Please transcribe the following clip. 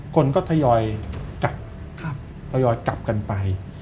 คนก็ทยอยกลับกันไป